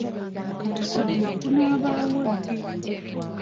Okusonda kunaabaawo ddi?